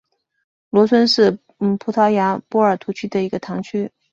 罗森是葡萄牙波尔图区的一个堂区。